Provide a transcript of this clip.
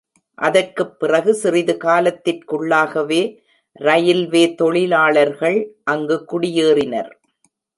அதற்குப் பிறகு சிறிது காலத்திற்குள்ளாகவே, ரயில்வே தொழிலாளர்கள் அங்கு குடியேறினர்.